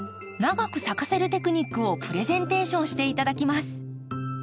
長く咲かせるテクニックをプレゼンテーションして頂きます。